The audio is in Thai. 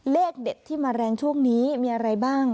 เลขเด็ดที่มาแรงช่วงนี้มีอะไรบ้าง